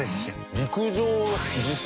陸上自走。